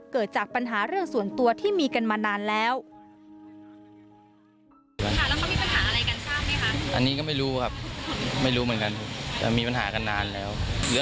เกิดจากปัญหาเรื่องส่วนตัวที่มีกันมานานแล้ว